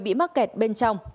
bị mắc kẹt bên trong